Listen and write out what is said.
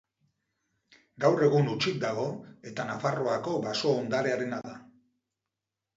Gaur egun hutsik dago eta Nafarroako Baso-Ondarearena da.